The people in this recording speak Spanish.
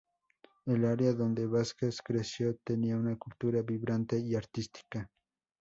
El área donde Vásquez creció tenía una cultura vibrante y artística.